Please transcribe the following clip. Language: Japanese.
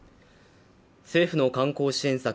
政府の観光支援策